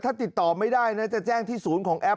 ถ้าติดต่อไม่ได้นะจะแจ้งที่ศูนย์ของแอป